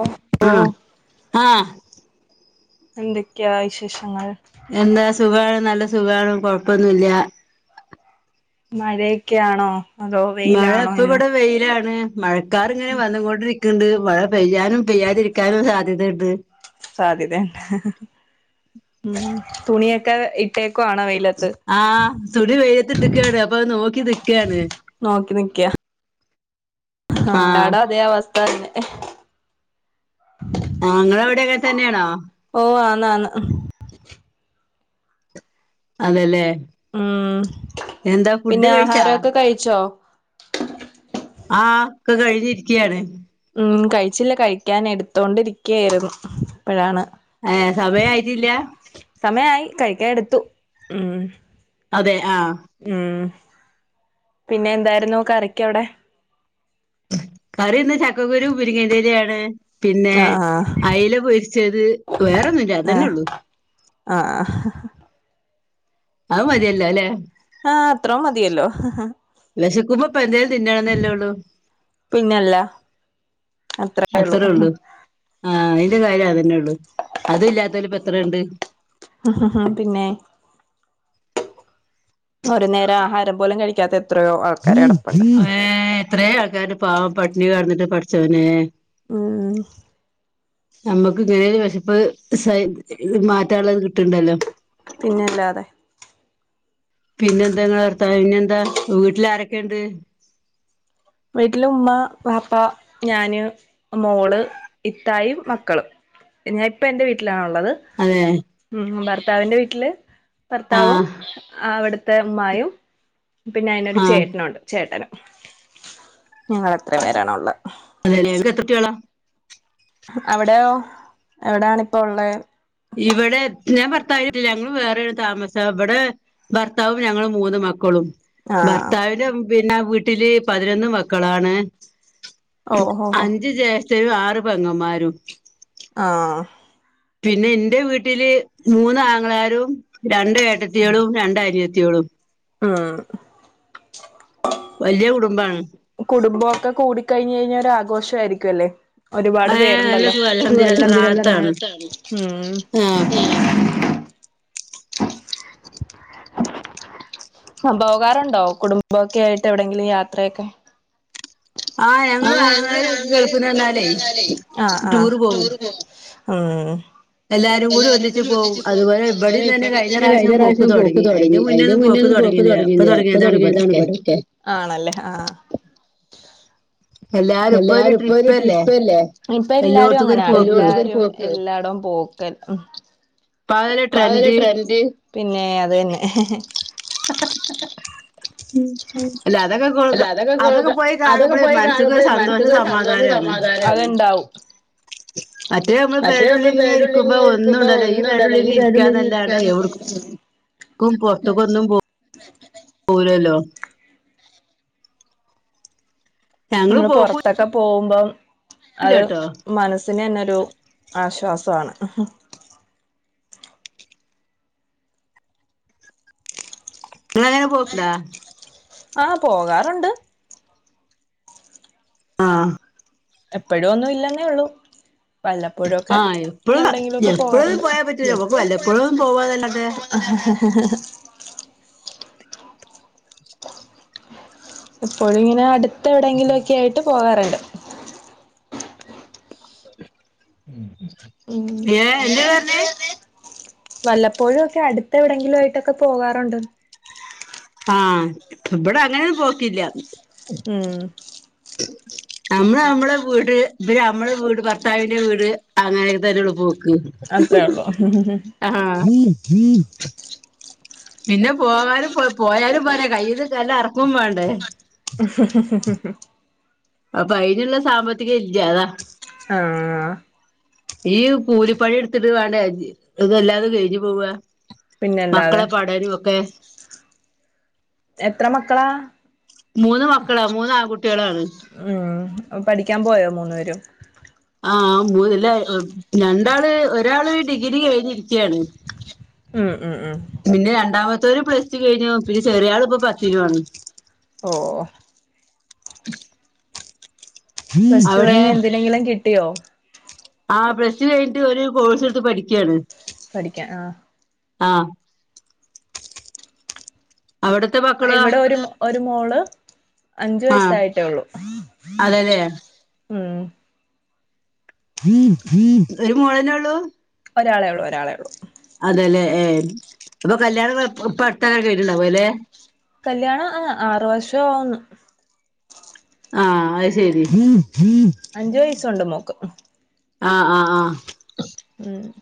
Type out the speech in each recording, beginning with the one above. ഓഹ് ഓഹ് ആഹ് എന്തൊക്കെയാ വിശേഷങ്ങൾ എന്താ സുഖാണ് നല്ല സുഖമാണ് കുഴപ്പൊന്നുമല്ല മഴയൊക്കൊ ആണോ മഴ ഇപ്പ ഇവിടെ വെയിലാണ് മഴക്കാർ ഇങ്ങനെ വന്നു കൊണ്ടിരിക്കുന്നുണ്ട് മഴ പെയ്യാനും പെയ്യാതിരിക്കാനും സാധ്യതയുണ്ട് സാധ്യതയണ്ട് ഉമ് തുണിയൊക്കെ ഇട്ടേക്ക ആണോ വ ലത്ത് ആഹ് തുണി വെയിലത്തിട്ടക്കുകയാണ് അപ്പൊത് നോക്കി നിക്കയാണ് നോക്കി നിക്കിയ ടാ അതേ അവസ്ഥ തന്നെ ആഹ് നിങ്ങൾ വിടെയൊക്കെ തന്നെയാണോ ഓഹ് ആന്ന് ന്ന് അതെല്ലേ എന്താ ഫുഡ് കഴിച്ചാ കഴിച്ചോ ആഹ് ഒക്കെ കഴിഞ്ഞിരികയാണ് ഉമ് കഴിച്ചില്ല കഴിക്കാൻ എടുത്തോണ്ടിരിക്കയായിരുന്നു അപ്പോഴാണ് ഏഹ് സമയം ആയിട്ടില്ല സമയമായി കഴിക്കാൻ എടുത്തു ഉമ് അതെ ആഹ് ഉമ് പിന്നെ എന്തായിരുന്നു കറിക്ക് അവിടെ കറിന്ന് ചക്കക്കുരുവും മുരിങ്ങന്റെ ഇലയും ആണ്‌ പിന്നെ അയ്ല പൊരിച്ചത് വേറെന്നുല്ല അതനെ ഉള്ളു ആഹ് ആഹ് അത് മതിയല്ലോ അല്ലെ ആഹ് അത്രോം മതിയല്ലോ വിശക്കുമ്പോ ഇപ്പൊ എന്തേലും തിന്നാണെന്നല്ലേ ഉള്ളു അത്രേ ഉള്ളൂ ആഹ് അയിന്റെ കാര്യം അതന്നെയള്ളു അതുല്ലാതോല് ഇപ്പത്ര ണ്ട് ആഹ് ആഹ് പിന്നെ ഒരു നേരം ആഹാരം പോലും കഴിക്കാത്ത ഏഹ് എത്രയോ ആൾക്കാര് പാവം പട്ടിണി കെടന്നിട്ട് പഠചോനെ ഉം നമ്മക്ക് ഇങ്ങനെരു വിശപ്പ് സയി മാറ്റാനുള്ളത് കിട്ടണ്ടല്ലോ പിന്നല്ലാതെ പിന്നെന്താ ങ്ങളെ വർത്താനം പിന്നെന്താ വീട്ടിലാരൊക്കെയുണ്ട് വീട്ടില് ഉമ്മ വാപ്പ ഞാന് മോള് ഇത്തായും മക്കളും ഞാൻ ഇപ്പ എന്റെ വീട്ടിലാണുള്ളത് അതെ ഉം ഭർത്താവിൻ്റെ വീട്ടില് ഭർത്താവും അവിടുത്തെ ഇമ്മായും പിന്നെ അയിനൊരു ചേട്ടന് ഉണ്ട് ചേട്ടന് ഞങ്ങളെത്രം പേരാണുള്ളത് അതെല്ലേ നിനക്ക്ത്ര കുട്ടിയോളാ? അവിടെയോ എവിടെയാണിപ്പോള്ളത് ഇവിടെ ഞാ ഭർത്താവിട്ടിലാ ഞങ്ങള് വേറെ ഒരു താമസം ഇവിടെ ഭർത്താവും ഞങ്ങള് മൂന്ന് മക്കളും ഭർത്താവിന്റെ പിന്നെ വീട്ടില് പതിനൊന്ന് മക്കളാണ് അഞ്ച് ജേഷ്ട്ടനും ആറ് പെങ്ങന്മാരും ആഹ് പിന്നെ എന്റെ വീട്ടില് മൂന്ന്ങ്ങളാരും രണ്ട് ഏട്ടത്തികളും രണ്ട് അനിയത്തികളും അഹ് വല്ല്യ കുടുംമ്പാണ് കുടുംബക്കെ കൂടിക്കഴിഞ്ഞയിഞ്ഞ ഒരു ആഘോഷായിരിക്കും അല്ലേ ഒരുപാട് പേരുണ്ടല്ലോ അൽഹംദുലില്ലാഹ് റാഹത്താണ് [inaudible] ആ പോകാറുണ്ടോ കുടുംബക്കെയിട്ട് എവിടെങ്കിലും യാത്രയൊക്കെ അഹ് അഹ് ആഹ് എല്ലാരും കൂടി ഒന്നിച്ചു പോവോ അതുപോലെ ന്നെ കഴിഞ്ഞ പ്രാവശ്യം പോക്ക് തുടങ്ങി അതിന് മുന്നേന്ന് പോക്ക് തുടങ്ങി ത് ഇപ്പൊ തുടങ്ങിയതാണ് ഇവിടൊക്കെ ആണല്ലേ ആഹ് ആഹ് എല്ലാരുംപ്പൊ ഒരു ട്രിപ്പ്ല്ലേ ഇപ്പ എല്ലാരും അങ്ങനെ ആണല്ലോ എല്ലായിടം പോകും [unintelligible] അപ്പ അതല്ലേ ട്രെൻഡ് പിന്നെ അത് തന്നെ പത്ര [unintelligible] [inaudible] ഉം അല്ല അതൊക്കെ അതൊക്കെ പോയി കാണുമ്പോഴേ മനസ്സിക്ക് സന്തോഷം സമാധാനം അത്ണ്ടാവും മറ്റേ നമ്മള് പേരെള്ളിന്നെ ഇരിക്കുമ്പോ ഒന്നും ഉണ്ടല്ലോ ഈ പേരെള്ളില് ഇരിക്കാന്നല്ലാണ്ട് എവിടക്ക ഉ കും പോർത്ത്ക്കൊന്നും പോവുലല്ലോ നമ്മള് പുറത്തൊക്കെ പോകുമ്പം അത് മനസ് മനസ്സിനന്നൊരു ആശ്വാസമാണ് നിങ്ങളങ്ങനെ പോക്ണ്ടാ ആഹ് പോകാറുണ്ട്. ആഹ് എപ്പോഴുന്നും ഇല്ലെന്നേള്ളൂ വല്ലപ്പോഴുക്കെ എവിടെങ്കിലുംക്കെ പോവാറുണ്ട്. ആഹ് ആഹ് ആഹ്‌ എപ്പോഴും ങ്ങനെ അടുത്ത എവിടെയെങ്കിലു ക്കെയിട്ട് പോകാറുണ്ട് ഞാ എന്താ പറഞ്ഞെ വല്ലപ്പോഴക്കെ അടുത്ത് എവിടെങ്കിലും ആയിട്ടൊക്കെ പോകാറുണ്ട് ആഹ് ഇവിട അങ്ങനെന്നും പോക്കില്ല മ്മ് നമ്മള് നമ്മളെ വീട് നമ്മള് വീട് ഭർത്താവിന്റെ വീട് അങ്ങനെതന്നെള്ളൂ പോക്ക് തന്നെ അത്രേ ഉള്ളൂ ആഹ് പിന്ന പോവാനും പോ പോയാലും പോര കയ്യിൽന്ന് നല്ലറക്കും വാണ്ടേ ആാ [unintelligible] അപ്പൊ അതിനുള്ള സാമ്പത്തിക ഇല്ല അതാ ആഹ് ഈ പൂലിപ്പണി എടുത്തിട്ട് വേണ്ടേ ഇതല്ലാതും കഴിഞ് പോവാ മക്കളെ പഠനം ഒക്കെ എത്ര മക്കളാ മൂന്ന് മക്കളാ മൂന്ന് ആൺകുട്ടികളാണ് ആഹ് പഠിക്കാൻ പോയോ മൂന്നുപേരും ആഹ് [unintelligible] രണ്ടാള് ഒരാള് ഡിഗ്രി കഴിഞ്ഞിരിക്കാണ് മ്മ് മ്മ് മ്മ് പിന്ന രണ്ടാമത്തെ ഓന് പ്ലസ്റ്റു കഴിഞ്ഞു പി ചെറിയ ആള് ഇപ്പോ പത്ത്ലുആണ് ഓ പ്ലസ്ടു കഴിഞ് എന്തിനെങ്കിലും കിട്ടിയോ ആഹ് പ്ലസ് കഴിഞ്ഞട്ട് ഒരു കോഴ്സ് എടുത്ത് പഠിക്കാണ് പഠിക്ക ആഹ് ആഹ് അവിടെ ഇവിട ഒരു ഒരു മോള് അഞ്ച് വയസായിട്ടേ ള്ളൂ മം ഒരു മോളനേ ള്ളൂ ഒരാളെ ള്ളൂ ഒരാളെ ള്ളൂ അതെ ല്ലെ ഏ അപ്പൊ കല്യാണം ഇപ്പൊ എടുത്തക്ക കയിഞ്ണ്ടാവോല്ലെ കല്യാണം ആഹ് ആറ് വർഷം ആവുന് ആഹ് അത് ശരി അഞ്ചു വയസ്സുണ്ട് മോക്ക് ആഹഹ് ആഹ് ആഹ് മമ്മ്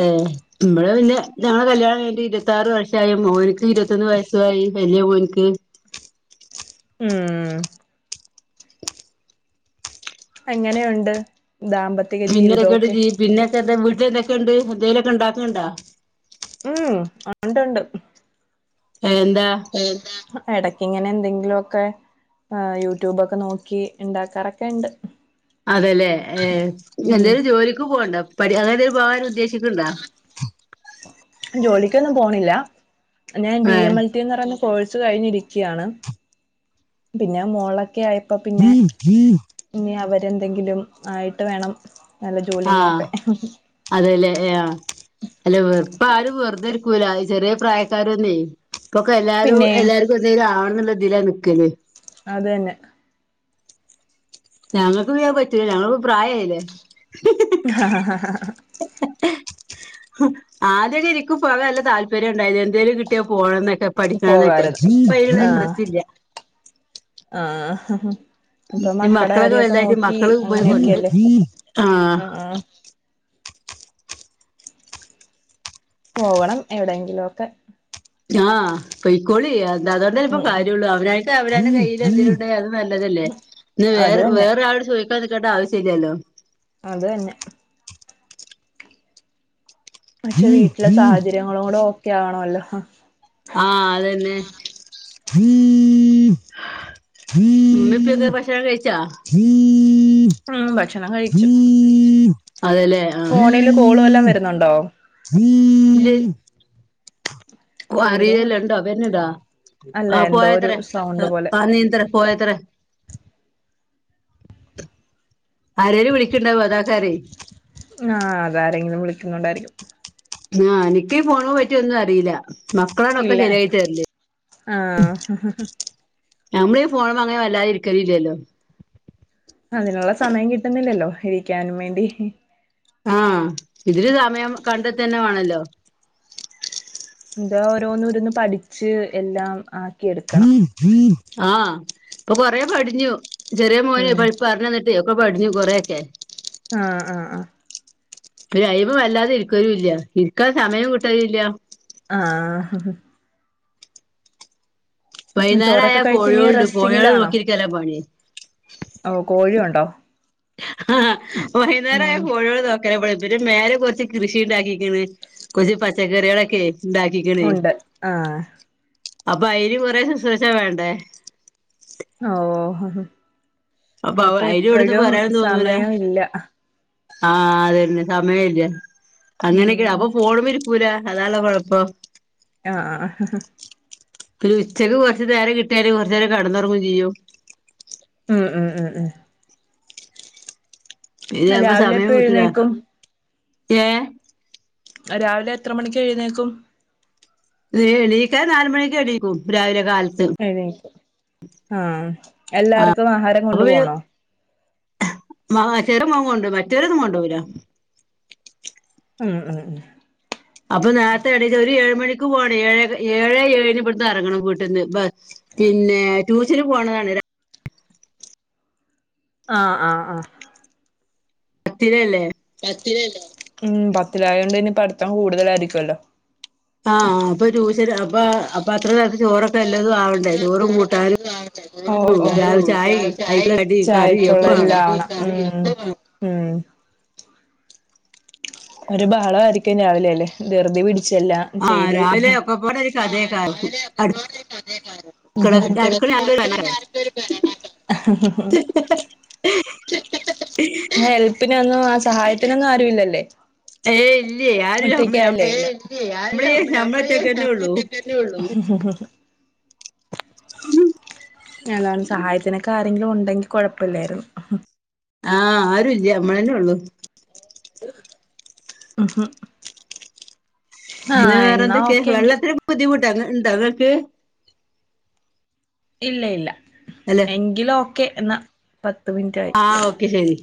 ഏ ഇമ്മള് പിന്നെ ഞങ്ങളെ കല്യാണം കയിഞ്ഞിട്ട് ഇരുത്താർ വർഷആയ മോനക്ക് ഇരുപത്തൊന്ന് വയസ്സായി വല്യ മോന്ക്ക് മ്മ് അങ്ങനെയുണ്ട് ദാമ്പ പിന്നന്തൊക്കെ പിന്നൊക്കെ എന്താ വീട്ട്ന്തൊക്കെ ണ്ട് എന്തേലൊക്കെ ണ്ടാക്കണ്ട മം ഉണ്ട് ഉണ്ട് എ എന്താ ഇടക്കിങ്ങനെ എന്തെങ്കിലും ഒക്കെ ആഹ് യൂട്യൂബക്കെ നോക്കി ണ്ടാക്കാറൊക്കെ ണ്ട് അതെല്ലേ ഏഹ്, എന്തേലു ജോലിക്ക് പോണ്ടാ? പഠി അങ്ങനെന്തേ പോകാ ഉദ്ദേശിക്ക്ണ്ടാ? ജോലിക്കൊന്നും പോണില്ല, ഞാൻ ബി എം എൽ ന്ന് പറയ്ന്ന കോഴ്സ്സ് കഴിഞ്ഞിരിക്കി യാണ് പിന്നെ മോളക്കെ ആയി അപ്പൊ പിന്നെ ഇനി അവരന്തെങ്കിലും ആയിട്ട് വേണം നല്ല ജോലി നോക്കാൻ ഇഹ്. അതെല്ലേ ആഹ്. ല്ല വെ ഇപ്പ ആരും വെറുതെ ഇരിക്കൂല ചെറിയ പ്രായക്കാരന്നെയെ. ഇപ്പൊക്കെ എല്ലാരും എല്ലാര്ക്കും ന്തേലും ആവണെന്നുള്ള ഇതിലാ നിക്കല്. അത്അന്നെ. ഞങ്ങക്കൊന്നിനിഅ പറ്റൂല ഞങ്ങ ഇപ്പൊ പ്രായായില്ലേ. ഹഹഹഹഹഹ [inaudible] ഹ് ആദ്യൊക്കെ ഇനിക്കും പോകാ നല്ല താല്പര്യം ഉണ്ടായ്നി. എന്തേലും കിട്ടിയാ പോണംന്നൊക്കെ. പഠിക്കാനൊക്കെ, ഇപ്പയ്നൊന്നുഇന്റെറസ്റ്റ് ഇല്ല. ആഹ് ഹ്ഹ്. ഇപ്പൊ മക്കട കാര്യൊക്കെ നോക്കി അങ്ങനെയൊക്കെയല്ലേ ആഹ് ആഹ്. പോവണം എവടെയെങ്കിലും ഒക്കെ. ആഹ് പെയ്ക്കോളി അ അതുകൊണ്ട്ന്ന ഇപ്പൊ കാര്യള്ളൂ. അവനായിട്ട് അവനാന് കയ്യിൽ എന്തേലുണ്ടേ അത് നല്ലതല്ലേ. ഇത് വേർ വേറെ ആള്ടെ ചോദിക്കാ നിക്കേണ്ട ആവശ്യല്ലല്ലോ. അത് തന്നെ. പക്ഷെ വീട്ടിലെ സാഹചര്യങ്ങളും കൂടെ ഓക്കെ ആവണവല്ലോ. ഹ ആഹ് അതന്നെ. [unintelligible] ഉമ്മയു ഉപ്പയൊക്കെ ഭക്ഷണൊക്കെ കയ്ചാ? അതേലേ ആഹ്. കോൾ വല്ലോം വരുന്നുണ്ടോ? ഇല്ല ൽ അറിയല്ല ഇണ്ടോ വെര്ണ് ണ്ടോ? ആ പോയാത്ര [unintelligible] പോയത്ര ആരേലു വിളിക്കണ്ടാവ അതാക്കാരെ ആഹ് അതാരെങ്കിലും വിളിക്കുന്നോണ്ടായിരിക്കും ആഹ് എനിക്കീ ഫോണ് പറ്റിയൊന്നും അറീല. മക്കളാണൊക്കെ ശെരിയാക്കി തെരല്. ഉം ഞമ്മളീ ഫോണ് മ്മെഅങ്ങനെ വല്ലാതി ഇരിക്കലില്ല്യല്ലോ. അതിനുള്ള സമയം കിട്ടുന്നില്ലല്ലോ, ഇരിക്കാനും വേണ്ടിഹ്. ആഹ് ഇതിനു സമയം കണ്ടതെന്നെ വാണല്ലോ. ന്താ ഓരോന്നോരന്ന് പഠിച്ച് എല്ലാം ആ ആഹ് ഇപ്പൊ കൊറേ പടിഞ്ഞു, ചെറിയ മോനെ പഴി പറഞ്ഞന്നി ഇപ്പോ പടിഞ്ഞു കൊറയൊക്കെ ആഹ് ആഹ് ആഹ്. ഒരു അയ്മ വല്ലാതെ ഇര്ക്കലു ഇല്ല, ഇര്ക്കാൻ സമയൂം കിട്ടലില്ല. ആഹ് ആഹ്ഹ് മ്. ചോറൊക്കെ കഴിച്ചിനി റെസ്റ്റിങ്ങിലാണോ? ഓഹ് കോഴിയൊണ്ടോ? ആഹ് വൈനേരായ കോഴിയോള് തൊ [unintelligible] മേലെ കൊറച്ച് കൃഷി ഉണ്ടാക്കിക്കിണ് കൊറച്ച് പച്ചക്കറിയളക്കേ. ഉണ്ടാക്കിക്ക്ണ് അപ്പൊ അയ്ന് കൊറെേ ശുശ്രൂഷ വേണ്ടേ. ഓഹ് ഹ്ഹ്, അപ്പൊ എപ്പഴും സമയവില്ല. ആഹ് അതന്നെ സമയല്ല, അങ്ങനെയൊക്കെയ അപ്പൊ [unintelligible] പുര അതാള്ള കൊഴപ്പം. ആഹ് ആഹ് ഹ്ഹ്ഹ് പിന്ന ഉച്ചക്ക് കൊറ്ച്ച് നേരെം കിട്ടിയാല് കൊറച്ചേരം കെടന്നുറങ്ങും ചെയ്യും. ഉം ഉം ഉം ഉം [unintelligible] സമയം കിട്ടൂല. ഏഹ് രാവിലെ എത്ര മണിക്ക് എഴുന്നേൽക്കും? എണീക്കാൻ നാല് മണിക്ക് എണീക്കും രാവിലെ കാല [unintelligible] ആഹ് എല്ലാർക്കും ആഹാരം കൊണ്ടു പോണോ? മാങ്ങ അച്ചാറ് മോൻ കൊണ്ടോവും മറ്റേതൊന്നും കൊണ്ടോവുലോ ഉം ഉം ഉം അപ്പൊ നേര്ത്തെ എണിറ്റ് ഒരു ഏഴ് മണിക്ക് പോണേയ് ഏഴ ഏഴേ ഏഴിന് ഇവിടെന്ന് ഇറങ്ങണം വീട്ടീന്ന് ബ പിന്നേ ട്യൂഷന് പോണതാണ് ര ആഹ് ആഹ് ആഹ് തിരയല്ലേ പത്തിലല്ലേ? ഉം പത്തിൽ ആയോണ്ട് ഇനി പഠിത്തം കൂടുതലായിരിക്കല്ലോ ആഹ് അപ്പൊ ട്യൂഷൻ അപ്പ അപ്പൊ അത്ര നാരത്തെ ചോറൊക്കെ എല്ലതും ആവണ്ടേ ചോറും കൂട്ടാനും ഓഹ് ചായയ്ക്കുള്ള എല്ലാം ആവണം. ഉം ഉം ഒരു ബഹളവായിരിക്കും രാവിലെ അല്ലെ ദിർ ദിപിടിച്ചല്ല ചെയ്ത് [unintelligible] [unintelligible] ഹെൽ ത്ത്നൊന്നും ആഹ് സഹായത്തിനൊന്നും ആരുമില്ലല്ലേ? ഏയ് ഇല്ലേയ് അ ഒറ്റക്കാല്ലേ? [unintelligible] ഉം ഞാനാൺ സഹായത്തിനൊക്കെ ആരെങ്കിലും ഉണ്ടെങ്കി കൊഴപ്പല്ലായിരുന്നു. ആഹ് ആരുല്ല്യ നമ്മളന്നെ ഉള്ളു. [inaudible] ഹിഹ് പിന്നെ വേറെ എന്തൊക്കെയ്? വെള്ളത്തിന് ബുദ്ധിമുട്ട് ഇണ്ടോ ഇങ്ങൾക്ക്? ഇല്ല ഇല്ല എങ്കിൽ ഓക്കെ എന്നാ പത്ത് മിൻറ്റ് ആയി. ക്കെ ശരി